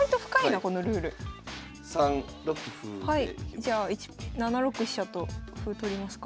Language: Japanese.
じゃあ７六飛車と歩取りますか。